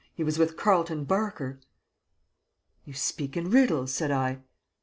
He was with Carleton Barker." "You speak in riddles," said I.